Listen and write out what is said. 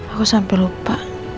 aku sampai lupa